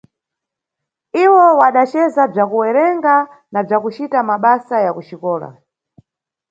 Iwo wadacesa bza kuwerenga na bzakucita mabasa ya kuxikola